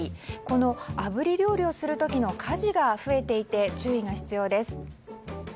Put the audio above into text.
このあぶり料理をする時の火事が増えていて注意が必要です。